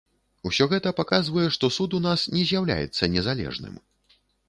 Усё гэта паказвае, што суд у нас не з'яўляецца незалежным.